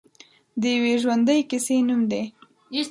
د یوې ژوندۍ کیسې نوم دی.